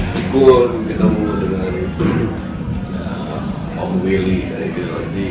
di studio kita bertemu dengan om willy dari stereology